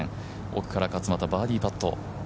奥から勝俣、バーディーパット。